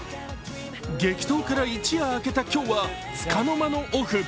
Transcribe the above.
激闘から一夜明けた今日はつかの間のオフ。